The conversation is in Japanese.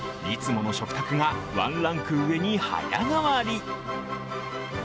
いつもの食卓がワンランク上に早変わり。